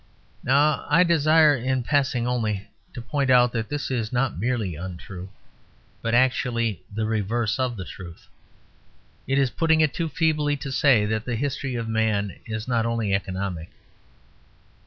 Now I desire, in passing only, to point out that this is not merely untrue, but actually the reverse of the truth. It is putting it too feebly to say that the history of man is not only economic.